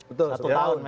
satu tahun memang